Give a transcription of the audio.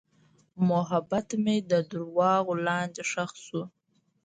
محبت مې د دروغو لاندې ښخ شو.